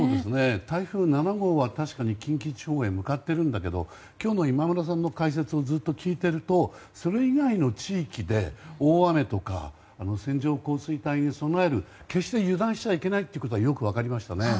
台風７号は確かに近畿地方に向かっているんだけど今日の今村さんの解説をずっと聞いてるとそれ以外の地域で大雨とか、線状降水帯に備える決して油断しちゃいけないことがよく分かりました。